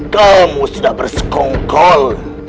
kamu sudah bersekongkol